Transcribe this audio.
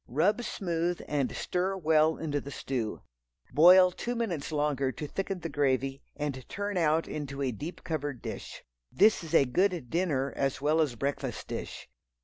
Rub smooth and stir well into the stew. Boil two minutes longer to thicken the gravy and turn out into a deep covered dish. This is a good dinner, as well as breakfast dish.